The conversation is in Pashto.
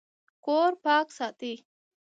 کور پاک ساتئ